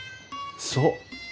そう。